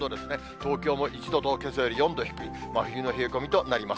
東京も１度と、けさより４度低い、真冬の冷え込みとなります。